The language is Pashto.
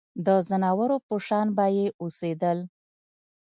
د ځناورو په شان به یې اوسېدل.